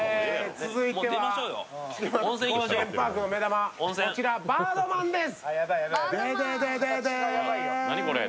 続いては、高原パークの目玉こちらバードマンです。